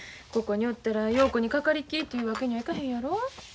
ここにおったら陽子にかかりきりというわけにはいかへんやろ。